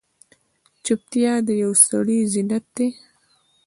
چوپتیا، د پوه سړي زینت دی.